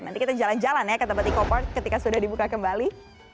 nanti kita jalan jalan ya ke tempat eco park ketika sudah dibuka kembali